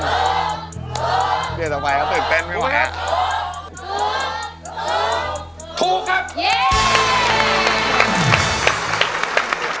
เกลียดต่อไปแล้วตื่นเต้นไหมผม